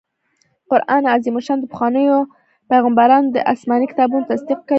قرآن عظيم الشان د پخوانيو پيغمبرانو د اسماني کتابونو تصديق کوي